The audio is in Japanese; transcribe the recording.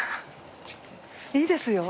いいですよ。